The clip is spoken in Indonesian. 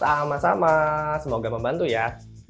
sama sama semoga membantu ya